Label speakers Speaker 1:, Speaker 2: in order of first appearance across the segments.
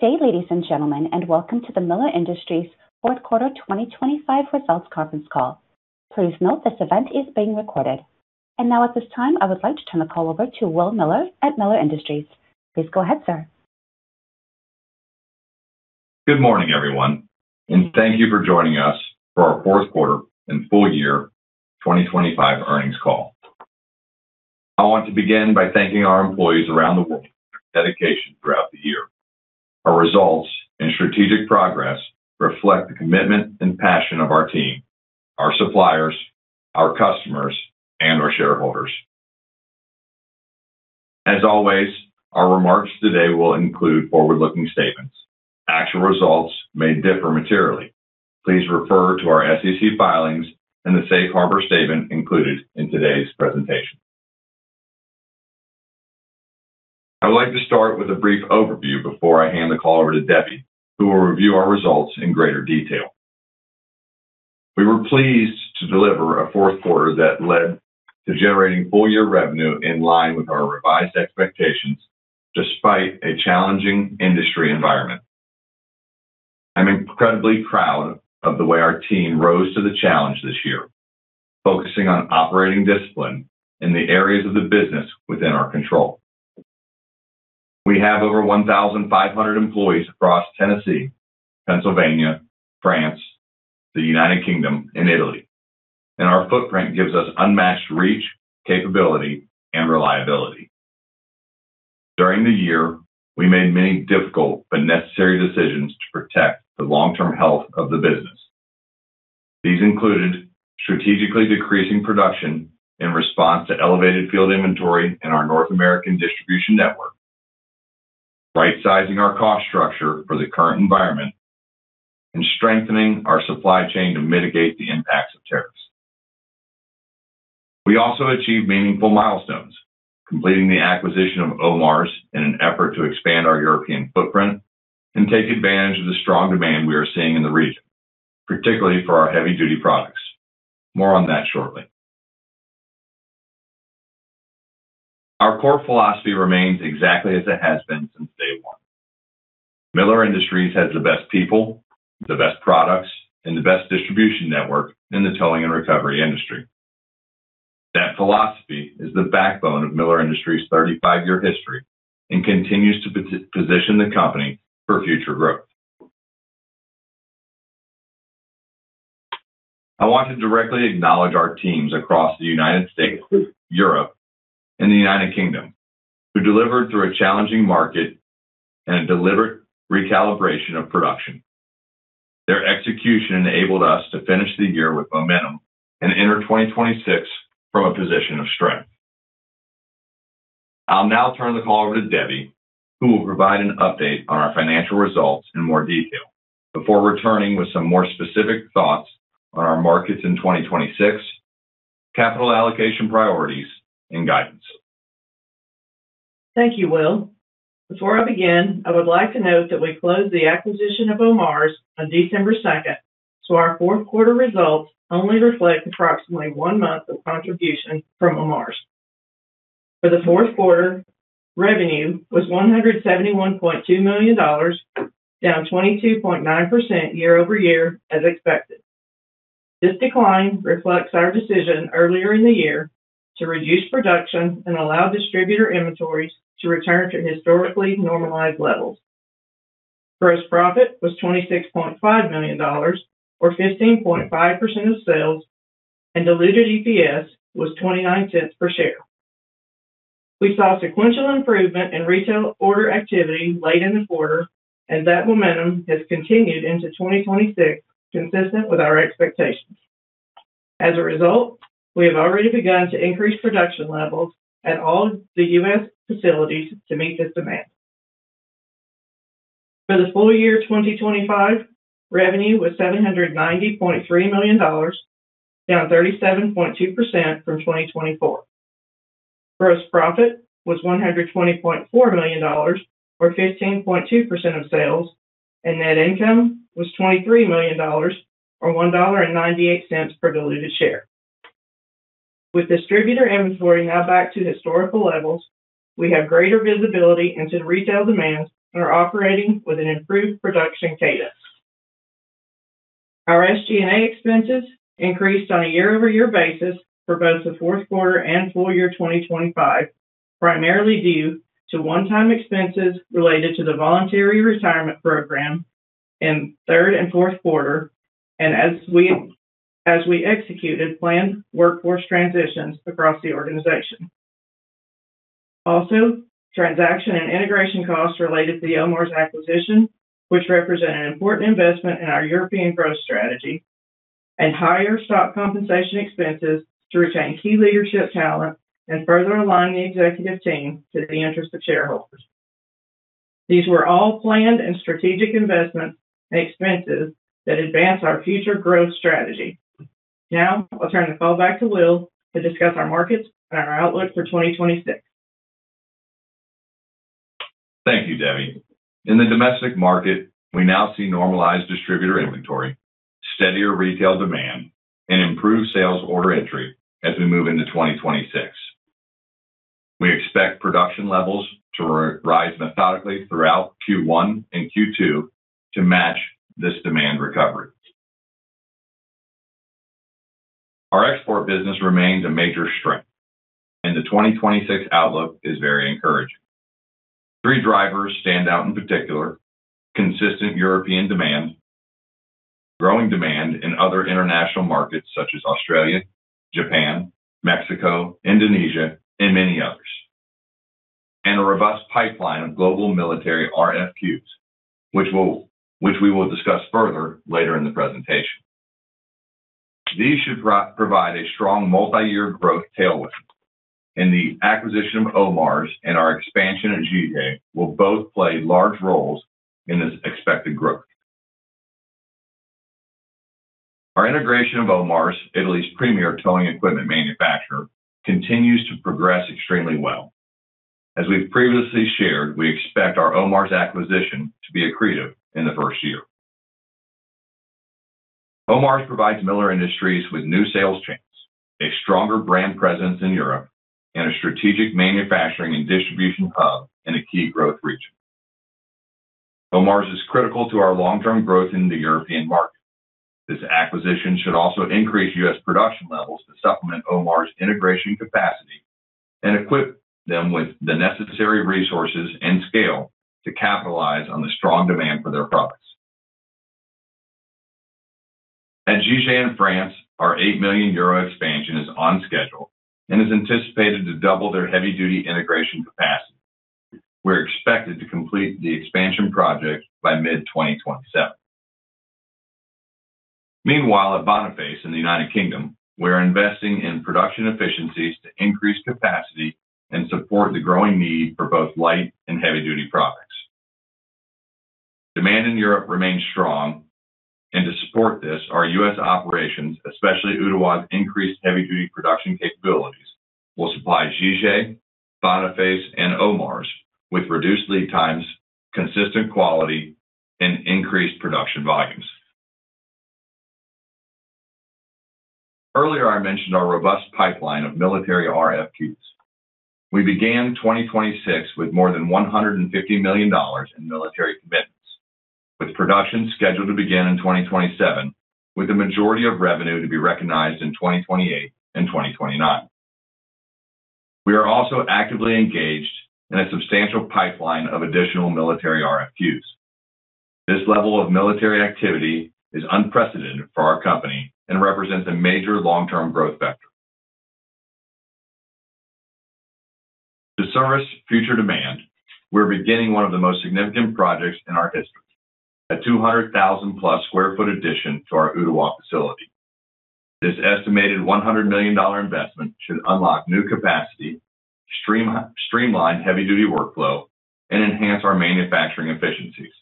Speaker 1: Good day, ladies and gentlemen, and welcome to the Miller Industries fourth quarter 2025 results conference call. Please note this event is being recorded. Now at this time, I would like to turn the call over to Will Miller at Miller Industries. Please go ahead, sir.
Speaker 2: Good morning, everyone, and thank you for joining us for our fourth quarter and full year 2025 earnings call. I want to begin by thanking our employees around the world for their dedication throughout the year. Our results and strategic progress reflect the commitment and passion of our team, our suppliers, our customers, and our shareholders. As always, our remarks today will include forward-looking statements. Actual results may differ materially. Please refer to our SEC filings and the Safe Harbor statement included in today's presentation. I would like to start with a brief overview before I hand the call over to Debbie, who will review our results in greater detail. We were pleased to deliver a fourth quarter that led to generating full-year revenue in line with our revised expectations, despite a challenging industry environment. I'm incredibly proud of the way our team rose to the challenge this year, focusing on operating discipline in the areas of the business within our control. We have over 1,500 employees across Tennessee, Pennsylvania, France, the United Kingdom, and Italy. Our footprint gives us unmatched reach, capability, and reliability. During the year, we made many difficult but necessary decisions to protect the long-term health of the business. These included strategically decreasing production in response to elevated field inventory in our North American distribution network, right-sizing our cost structure for the current environment, and strengthening our supply chain to mitigate the impacts of tariffs. We also achieved meaningful milestones, completing the acquisition of OMARS in an effort to expand our European footprint and take advantage of the strong demand we are seeing in the region, particularly for our heavy-duty products. More on that shortly. Our core philosophy remains exactly as it has been since day one. Miller Industries has the best people, the best products, and the best distribution network in the towing and recovery industry. That philosophy is the backbone of Miller Industries' 35-year history and continues to position the company for future growth. I want to directly acknowledge our teams across the United States, Europe, and the United Kingdom, who delivered through a challenging market and a deliberate recalibration of production. Their execution enabled us to finish the year with momentum and enter 2026 from a position of strength. I'll now turn the call over to Debbie, who will provide an update on our financial results in more detail before returning with some more specific thoughts on our markets in 2026, capital allocation priorities, and guidance.
Speaker 3: Thank you, Will. Before I begin, I would like to note that we closed the acquisition of OMARS on December 2nd, so our fourth quarter results only reflect approximately one month of contribution from OMARS. For the fourth quarter, revenue was $171.2 million, down 22.9% year-over-year as expected. This decline reflects our decision earlier in the year to reduce production and allow distributor inventories to return to historically normalized levels. Gross profit was $26.5 million or 15.5% of sales, and diluted EPS was $0.29 per share. We saw sequential improvement in retail order activity late in the quarter, and that momentum has continued into 2026, consistent with our expectations. As a result, we have already begun to increase production levels at all the U.S. facilities to meet this demand. For the full year 2025, revenue was $790.3 million, down 37.2% from 2024. Gross profit was $120.4 million or 15.2% of sales, and net income was $23 million or $1.98 per diluted share. With distributor inventory now back to historical levels, we have greater visibility into retail demand and are operating with an improved production cadence. Our SG&A expenses increased on a year-over-year basis for both the fourth quarter and full year 2025, primarily due to one-time expenses related to the voluntary retirement program in third and fourth quarter, as we executed planned workforce transitions across the organization. Transaction and integration costs related to the OMARS acquisition, which represent an important investment in our European growth strategy and higher stock compensation expenses to retain key leadership talent and further align the executive team to the interest of shareholders. These were all planned and strategic investments and expenses that advance our future growth strategy. I'll turn the call back to Will to discuss our markets and our outlook for 2026.
Speaker 2: Thank you, Debbie. In the domestic market, we now see normalized distributor inventory, steadier retail demand, and improved sales order entry as we move into 2026. We expect production levels to rise methodically throughout Q1 and Q2 to match this demand recovery. Our export business remains a major strength, the 2026 outlook is very encouraging. Three drivers stand out in particular. Consistent European demand, growing demand in other international markets such as Australia, Japan, Mexico, Indonesia, and many others. A robust pipeline of global military RFQs, which we will discuss further later in the presentation. These should provide a strong multi-year growth tailwind, and the acquisition of OMARS and our expansion at Jige will both play large roles in this expected growth. Our integration of OMARS, Italy's premier towing equipment manufacturer, continues to progress extremely well. As we've previously shared, we expect our OMARS acquisition to be accretive in the first year. OMARS provides Miller Industries with new sales channels, a stronger brand presence in Europe, and a strategic manufacturing and distribution hub in a key growth region. OMARS is critical to our long-term growth in the European market. This acquisition should also increase U.S. production levels to supplement OMARS' integration capacity and equip them with the necessary resources and scale to capitalize on the strong demand for their products. At Jige in France, our 8 million euro expansion is on schedule and is anticipated to double their heavy-duty integration capacity. We're expected to complete the expansion project by mid-2027. Meanwhile, at Boniface in the United Kingdom, we're investing in production efficiencies to increase capacity and support the growing need for both light and heavy-duty products. Demand in Europe remains strong. To support this, our U.S. operations, especially Ooltewah's increased heavy-duty production capabilities, will supply Jige, Boniface, and OMARS with reduced lead times, consistent quality, and increased production volumes. Earlier, I mentioned our robust pipeline of military RFQs. We began 2026 with more than $150 million in military commitments, with production scheduled to begin in 2027, with the majority of revenue to be recognized in 2028 and 2029. We are also actively engaged in a substantial pipeline of additional military RFQs. This level of military activity is unprecedented for our company and represents a major long-term growth vector. To service future demand, we're beginning one of the most significant projects in our history, a 200,000+ sq ft addition to our Ooltewah facility. This estimated $100 million investment should unlock new capacity, streamline heavy-duty workflow, and enhance our manufacturing efficiencies.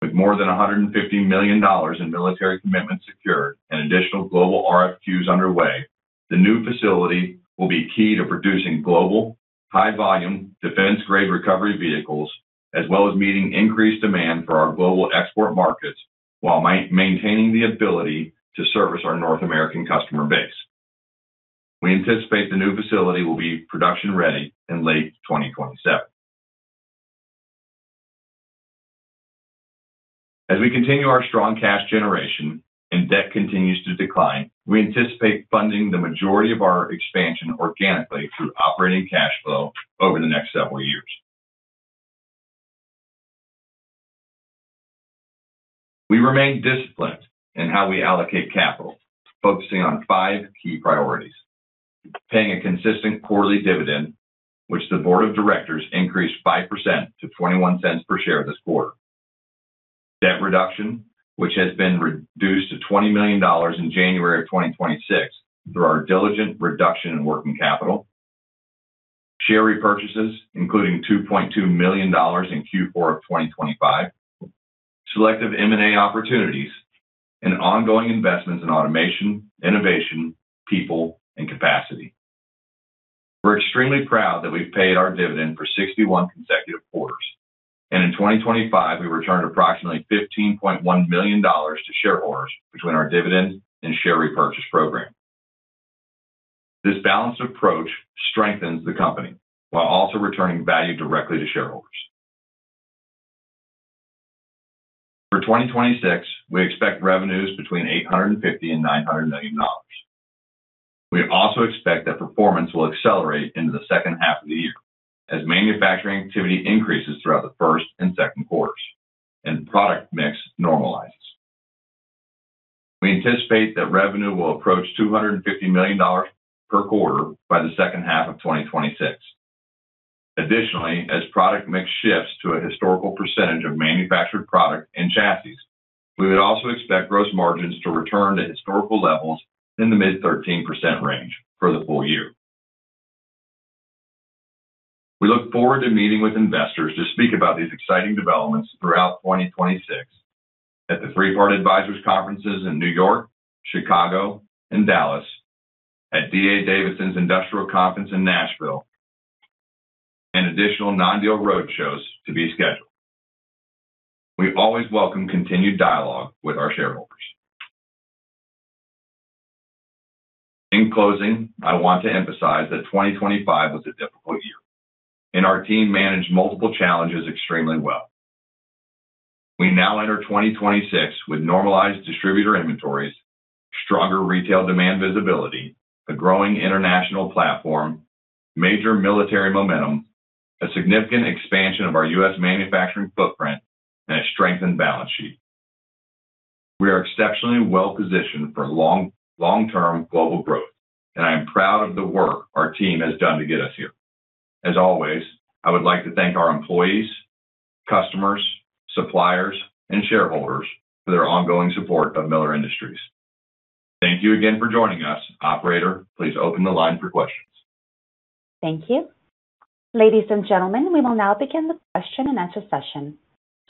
Speaker 2: With more than $150 million in military commitments secured and additional global RFQs underway, the new facility will be key to producing global, high volume, defense-grade recovery vehicles, as well as meeting increased demand for our global export markets while maintaining the ability to service our North American customer base. We anticipate the new facility will be production ready in late 2027. As we continue our strong cash generation and debt continues to decline, we anticipate funding the majority of our expansion organically through operating cash flow over the next several years. We remain disciplined in how we allocate capital, focusing on five key priorities: paying a consistent quarterly dividend, which the Board of Directors increased 5% to $0.21 per share this quarter. Debt reduction, which has been reduced to $20 million in January of 2026 through our diligent reduction in working capital. Share repurchases, including $2.2 million in Q4 of 2025. Selective M&A opportunities and ongoing investments in automation, innovation, people, and capacity. We're extremely proud that we've paid our dividend for 61 consecutive quarters, and in 2025, we returned approximately $15.1 million to shareholders between our dividend and share repurchase program. This balanced approach strengthens the company while also returning value directly to shareholders. For 2026, we expect revenues between $850 million-$900 million. We also expect that performance will accelerate into the second half of the year as manufacturing activity increases throughout the first and second quarters and product mix normalizes. We anticipate that revenue will approach $250 million per quarter by the second half of 2026. Additionally, as product mix shifts to a historical percentage of manufactured product and chassis, we would also expect gross margins to return to historical levels in the mid-13% range for the full year. We look forward to meeting with investors to speak about these exciting developments throughout 2026 at the Three Part Advisors conferences in New York, Chicago, and Dallas, at D.A. Davidson's Industrial Conference in Nashville, and additional non-deal roadshows to be scheduled. We always welcome continued dialogue with our shareholders. In closing, I want to emphasize that 2025 was a difficult year, and our team managed multiple challenges extremely well. We now enter 2026 with normalized distributor inventories, stronger retail demand visibility, a growing international platform, major military momentum, a significant expansion of our U.S. manufacturing footprint, and a strengthened balance sheet. We are exceptionally well-positioned for long, long-term global growth, and I am proud of the work our team has done to get us here. As always, I would like to thank our employees, customers, suppliers, and shareholders for their ongoing support of Miller Industries. Thank you again for joining us. Operator, please open the line for questions.
Speaker 1: Thank you. Ladies and gentlemen, we will now begin the question and answer session.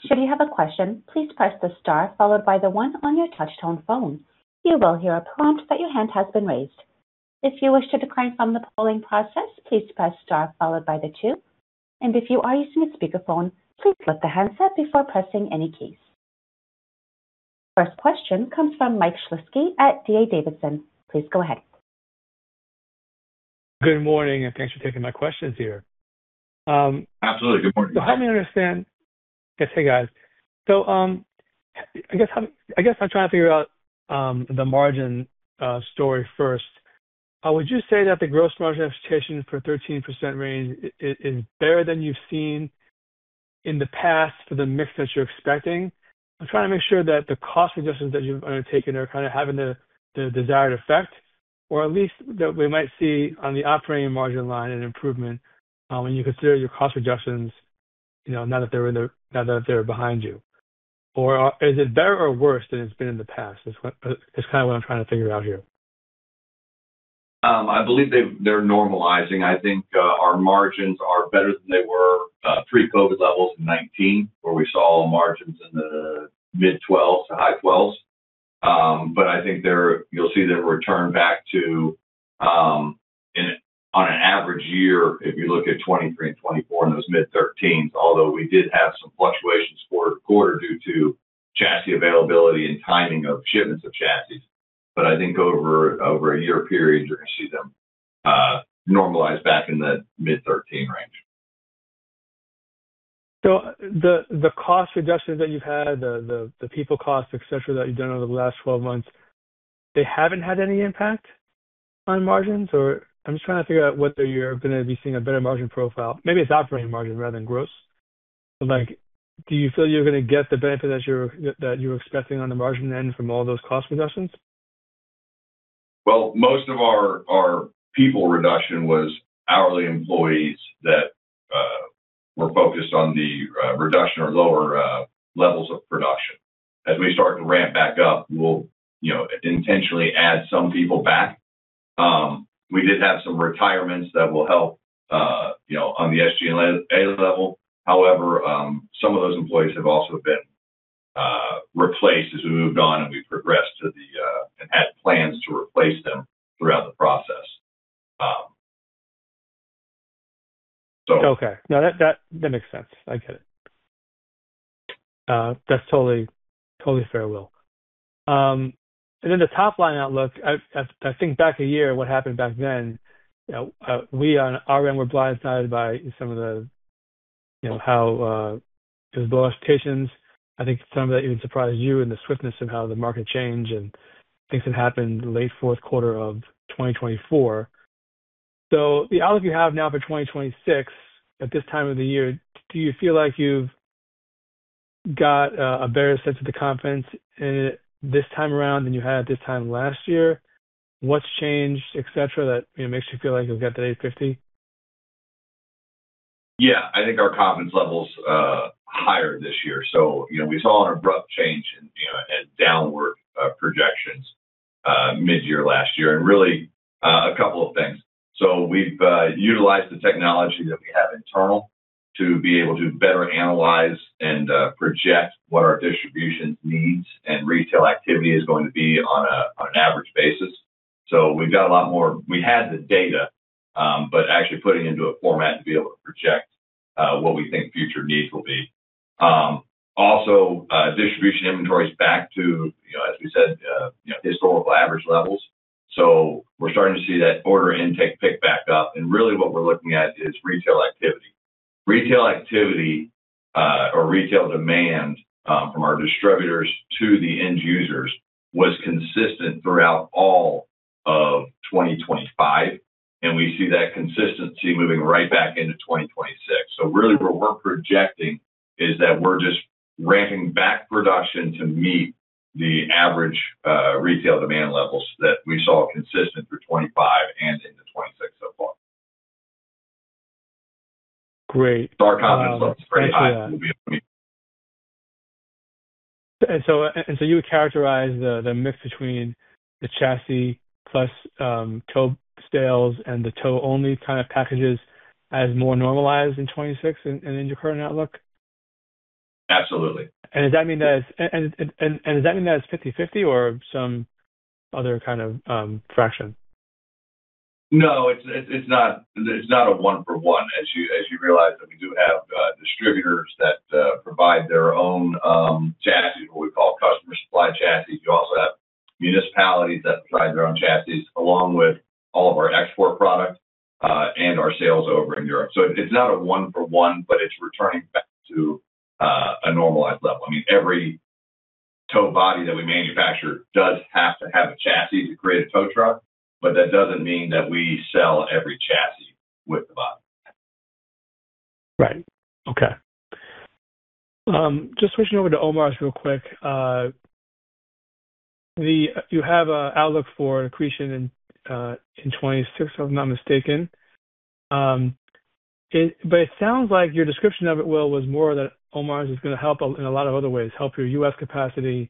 Speaker 1: Should you have a question, please press the star followed by the one on your touch tone phone. You will hear a prompt that your hand has been raised. If you wish to decline from the polling process, please press star followed by the two. If you are using a speakerphone, please lift the handset before pressing any keys. First question comes from Michael Shlisky at D.A. Davidson. Please go ahead.
Speaker 4: Good morning, and thanks for taking my questions here.
Speaker 2: Absolutely. Good morning.
Speaker 4: Help me understand. Yes. Hey, guys. I guess I'm trying to figure out the margin story first. Would you say that the gross margin expectation for 13% range is better than you've seen in the past for the mix that you're expecting? I'm trying to make sure that the cost reductions that you've undertaken are kind of having the desired effect, or at least that we might see on the operating margin line an improvement, when you consider your cost reductions, you know, now that they're behind you. Is it better or worse than it's been in the past? Is kind of what I'm trying to figure out here.
Speaker 2: I believe they're normalizing. I think our margins are better than they were pre-COVID levels in 2019, where we saw margins in the mid-12% to high 12%. I think you'll see them return back to on an average year, if you look at 2023 and 2024 in those mid-13%. Although we did have some fluctuations quarter to quarter due to chassis availability and timing of shipments of chassis. I think over a year period, you're going to see them normalize back in the mid-13% range.
Speaker 4: The, the cost reductions that you've had, the people costs, et cetera, that you've done over the last 12 months, they haven't had any impact on margins? I'm just trying to figure out whether you're gonna be seeing a better margin profile. Maybe it's operating margin rather than gross. Like, do you feel you're gonna get the benefit that you're expecting on the margin end from all those cost reductions?
Speaker 2: Well, most of our people reduction was hourly employees that were focused on the reduction or lower levels of production. As we start to ramp back up, we'll, you know, intentionally add some people back. We did have some retirements that will help, you know, on the SG&A level. However, some of those employees have also been replaced as we moved on and we progressed to the and had plans to replace them throughout the process.
Speaker 4: Okay. No, that makes sense. I get it. That's totally fair, Will. Then the top-line outlook, I think back a year, what happened back then, you know, we on our end were blindsided by some of the, you know, how, those low expectations. I think some of that even surprised you in the swiftness of how the market changed and things that happened late fourth quarter of 2024. The outlook you have now for 2026 at this time of the year, do you feel like you've got a better sense of the confidence in it this time around than you had this time last year? What's changed, et cetera, that, you know, makes you feel like you've got the $850 million?
Speaker 2: Yeah. I think our confidence level's higher this year. You know, we saw an abrupt change in, you know, and downward projections mid-year last year. Really, a couple of things. We've utilized the technology that we have internal to be able to better analyze and project what our distribution needs and retail activity is going to be on an average basis. We've got a lot more. We had the data, but actually putting into a format to be able to project what we think future needs will be. Also, distribution inventory is back to, you know, as we said, you know, historical average levels. We're starting to see that order intake pick back up. Really what we're looking at is retail activity. Retail activity, or retail demand, from our distributors to the end users was consistent throughout all of 2025. We see that consistency moving right back into 2026. Really what we're projecting is that we're just ramping back production to meet the average retail demand levels that we saw consistent through 2025 and into 2026.
Speaker 4: Great.
Speaker 2: Our confidence level is pretty high.
Speaker 4: Thanks for that. You would characterize the mix between the chassis plus, tow sales and the tow-only kind of packages as more normalized in 26 in your current outlook?
Speaker 2: Absolutely.
Speaker 4: Does that mean that it's 50/50 or some other kind of, fraction?
Speaker 2: No, it's not a one-for-one. As you realize that we do have distributors that provide their own chassis, what we call customer-supplied chassis. We also have municipalities that provide their own chassis, along with all of our export product, and our sales over in Europe. It's not a one-for-one, but it's returning back to a normalized level. I mean, every tow body that we manufacture does have to have a chassis to create a tow truck, but that doesn't mean that we sell every chassis with the body.
Speaker 4: Right. Okay. Just switching over to OMARS real quick. You have an outlook for accretion in 2026, if I'm not mistaken. It sounds like your description of it, Will, was more that OMARS is going to help in a lot of other ways, help your U.S. capacity,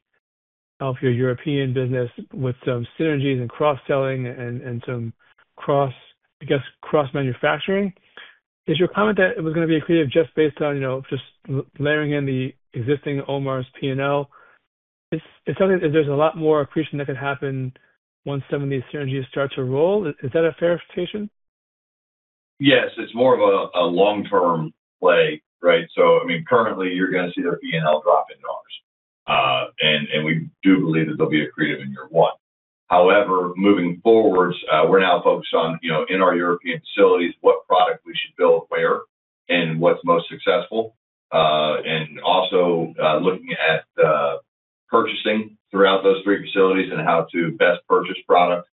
Speaker 4: help your European business with some synergies and cross-selling and some cross, I guess, cross-manufacturing. Is your comment that it was going to be accretive just based on, you know, just layering in the existing OMARS P&L? It's something. There's a lot more accretion that could happen once some of these synergies start to roll. Is that a fair assumption?
Speaker 2: Yes. It's more of a long-term play, right? I mean, currently you're gonna see their P&L drop in ours. We do believe that they'll be accretive in year one. However, moving forward, we're now focused on, you know, in our European facilities, what product we should build where and what's most successful. Also, looking at purchasing throughout those three facilities and how to best purchase product.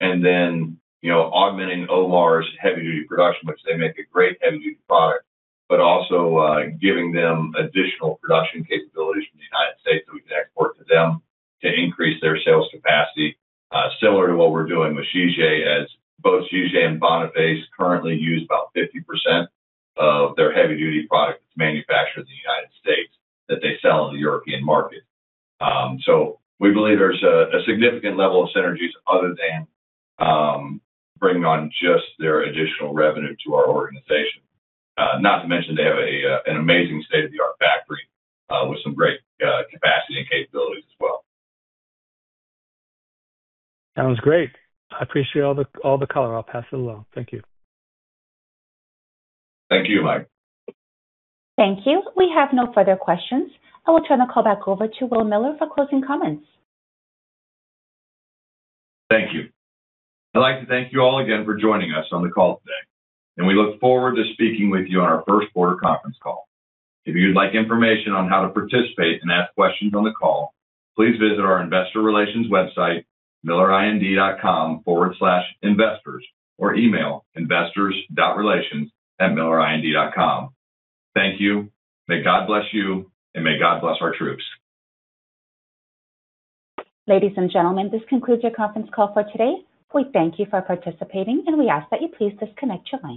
Speaker 2: Then, you know, augmenting OMARS heavy-duty production, which they make a great heavy-duty product, but also, giving them additional production capabilities from the United States that we can export to them to increase their sales capacity. Similar to what we're doing with Jige as both Jige and Boniface currently use about 50% of their heavy-duty product that's manufactured in the United States that they sell in the European market. We believe there's a significant level of synergies other than bringing on just their additional revenue to our organization. Not to mention they have an amazing state-of-the-art factory with some great capacity and capabilities as well.
Speaker 4: Sounds great. I appreciate all the color. I'll pass it along. Thank you.
Speaker 2: Thank you, Mike.
Speaker 1: Thank you. We have no further questions. I will turn the call back over to Will Miller for closing comments.
Speaker 2: Thank you. I'd like to thank you all again for joining us on the call today. We look forward to speaking with you on our first quarter conference call. If you'd like information on how to participate and ask questions on the call, please visit our investor relations website, millerind.com/investors, or email investor.relations@millerind.com. Thank you. May God bless you and may God bless our troops.
Speaker 1: Ladies and gentlemen, this concludes your conference call for today. We thank you for participating. We ask that you please disconnect your lines.